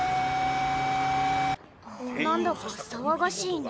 何だかさわがしいね。